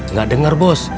nggak dengar bos